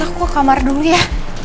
aku ke kamar dulu ya